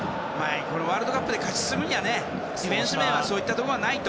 ワールドカップで勝ち進むにはディフェンス面はそういったところがないと。